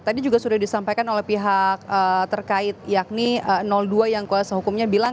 tadi juga sudah disampaikan oleh pihak terkait yakni dua yang kuasa hukumnya bilang